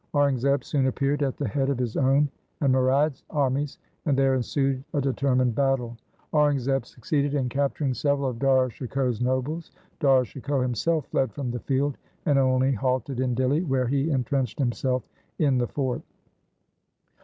Aurangzeb soon appeared at the head of his own and Murad's armies, and there ensued a determined battle. Aurangzeb succeeded in capturing several of Dara Shikoh's nobles. Dara Shikoh himself fled from the field, and only halted in Dihli where he entrenched himself in the fort.